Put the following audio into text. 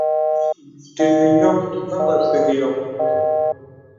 Tənə yɔ̄m və̄ mə̀ pək yɔŋ.